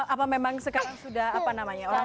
apa memang sekarang sudah apa namanya orang